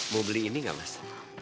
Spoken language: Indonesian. mau beli ini nggak mas